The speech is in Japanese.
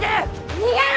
逃げろ！